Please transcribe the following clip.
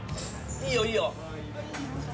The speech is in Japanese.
いいよいいよ。